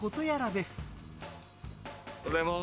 おはようございます。